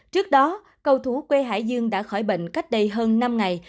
trước đó cầu thủ quê hải dương đã khỏi bệnh cách đây hơn năm ngày